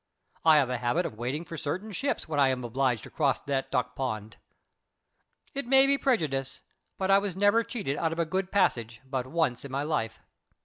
I have a habit of waiting for certain ships when I am obliged to cross that duck pond. It may be a prejudice, but I was never cheated out of a good passage but once in my life.